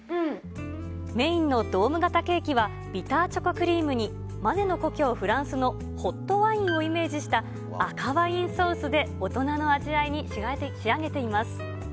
メインのドーム型ケーキは、ビターチョコクリームに、マネの故郷、フランスのホットワインをイメージした、赤ワインソースで大人の味わいに仕上げています。